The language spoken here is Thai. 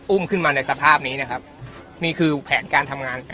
ขึ้นมาในสภาพนี้นะครับนี่คือแผนการทำงาน